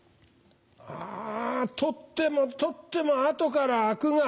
あ取っても取っても後からアクが。